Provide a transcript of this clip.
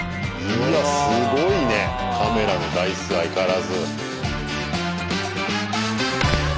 うわすごいねカメラの台数相変わらず。